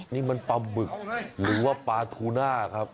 นี่มันปลาบึกหรือว่าปลาทูน่าครับ